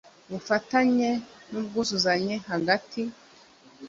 ubufatanye n ubwuzuzanye hagati